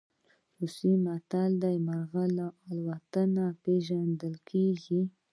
روسي متل وایي مرغۍ له الوت پېژندل کېږي.